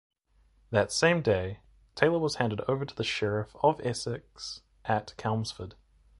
That same day, Taylor was handed over to the sheriff of Essex at Chelmsford.